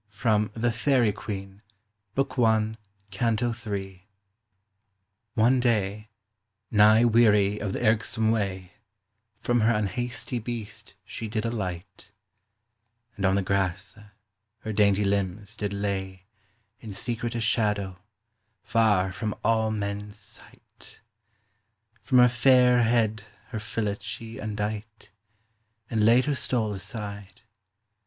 FROM THE " FAERIE QUEENE," BOOK I. CANTO III. One day, nigh wearie of the yrkesome way, From her nnhastie beast she did alight ; And on the grasse her dainty limbs did lay In secrete shadow, far from all mens sight ; From her fayre head her fillet she nndight, And layd her stole aside.